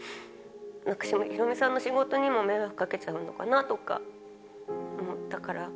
なんかヒロミさんの仕事にも迷惑かけちゃうのかなとか思ったから。